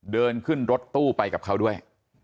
เดินขึ้นรถตู้ไปกับเขาด้วย